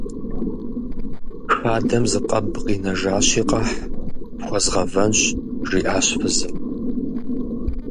Хадэм зы къэб къинэжащи, къэхь, пхуэзгъэвэнщ, - жиӀащ фызым.